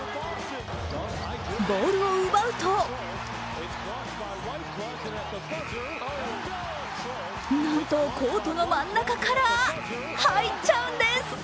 ボールを奪うとなんと、コートの真ん中から入っちゃうんです。